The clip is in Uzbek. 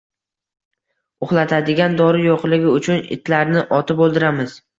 Uxlatadigan dori yo‘qligi uchun itlarni otib o‘ldiramiz